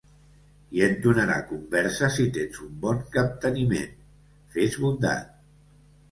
I et donarà conversa si tens un bon capteniment. Fes bondat.